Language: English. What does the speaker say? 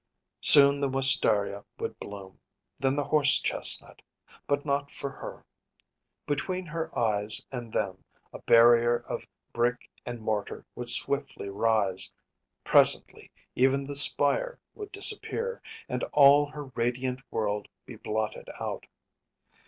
Soon the wistaria would bloom, then the horse chestnut; but not for her. Between her eyes and them a barrier of brick and mortar would swiftly rise; presently even the spire would disappear, and all her radiant world be blotted out.